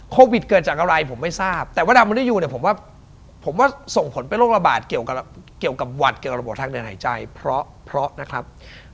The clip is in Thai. โควิดเกิดจากอะไรผมไม่ทราบ